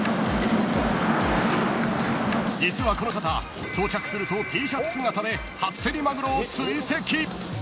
［実はこの方到着するとＴシャツ姿で初競りマグロを追跡］